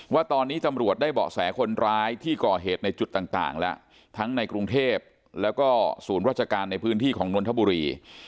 ว่าตอนนี้ตำรวจได้เบาะแสคนร้ายที่ก่อเหตุในจุดต่างแล้วทั้งในกรุงเทพแล้วก็ศูนย์ราชการในพื้นที่ของนนทบุรี